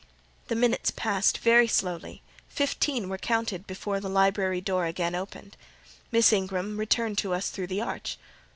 The minutes passed very slowly: fifteen were counted before the library door again opened. Miss Ingram returned to us through the arch.